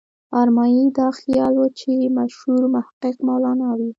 ارمایي دا خیال و چې مشهور محقق مولانا وي.